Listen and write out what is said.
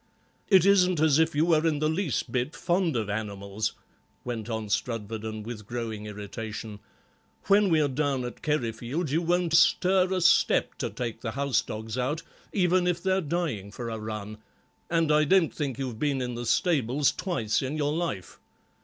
"It isn't as if you were in the least bit fond of animals," went on Strudwarden, with growing irritation; "when we are down at Kerryfield you won't stir a step to take the house dogs out, even if they're dying for a run, and I don't think you've been in the stables twice in your life.